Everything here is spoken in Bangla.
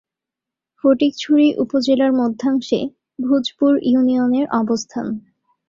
ফটিকছড়ি উপজেলার মধ্যাংশে ভূজপুর ইউনিয়নের অবস্থান।